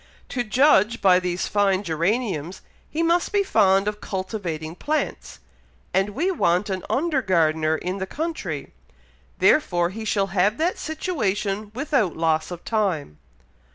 "To judge by these fine geraniums, he must be fond of cultivating plants; and we want an under gardener in the country; therefore he shall have that situation without loss of time."